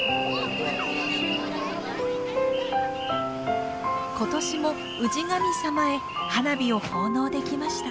今年も氏神様へ花火を奉納できました。